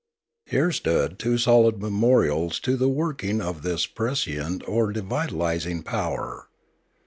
Here stood two solid memorials to the working of this prescient or devitalising power.